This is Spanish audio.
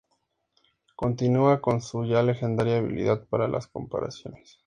continúa con su ya legendaria habilidad para las comparaciones